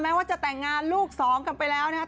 ว่าจะแต่งงานลูกสองกันไปแล้วนะครับ